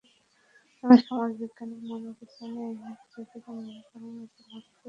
তবে সমাজবিজ্ঞানী, মনোবিজ্ঞানী, আইনজীবীরা মনে করেন, আদালতকে আইনের মধ্য থেকেই রায় দিতে হয়।